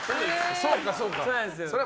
そうか、そうか。